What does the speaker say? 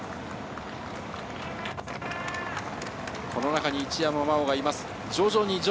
この中に一山麻緒がいます。